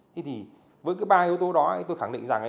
thế thì với cái ba yếu tố đó tôi khẳng định rằng